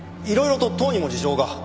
いろいろと党にも事情が。